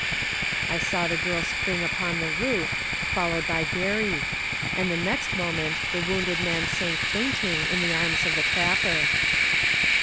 I saw the girl spring upon the roof, followed by Garey; and the next moment the wounded man sank fainting in the arms of the trapper.